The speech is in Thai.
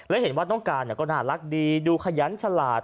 และเห็นว่าน้องการก็น่ารักดีดูขยันฉลาด